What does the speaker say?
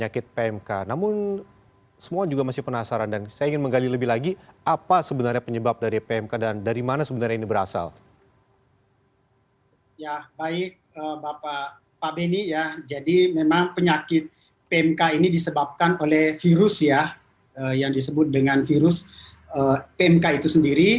baik bapak pak beni jadi memang penyakit pmk ini disebabkan oleh virus ya yang disebut dengan virus pmk itu sendiri